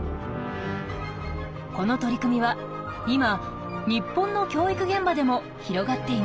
この取り組みは今日本の教育現場でも広がっています。